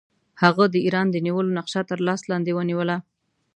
هغه د ایران د نیولو نقشه تر لاس لاندې ونیوله.